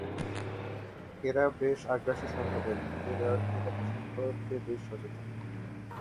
এরা বেশ আগ্রাসী স্বভাবের, নিজের এলাকা সম্পর্কে বেশ সচেতন।